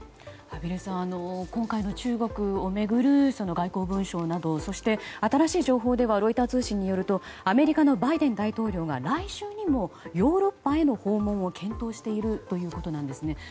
畔蒜さん、今回の中国を巡る外交文書などそして、新しい情報ではロイター通信によるとアメリカのバイデン大統領が来週にもヨーロッパへの訪問を検討しているということなんですね。